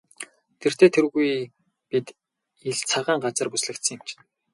Тэртэй тэргүй бид ил цагаан газар бүслэгдсэн юм чинь.